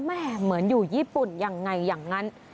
เหมือนอยู่ญี่ปุ่นยังไงอย่างนั้น